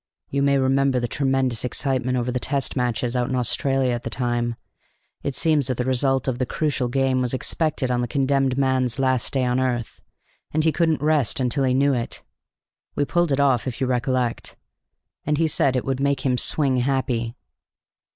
"You may remember the tremendous excitement over the Test Matches out in Australia at the time: it seems that the result of the crucial game was expected on the condemned man's last day on earth, and he couldn't rest until he knew it. We pulled it off, if you recollect, and he said it would make him swing happy."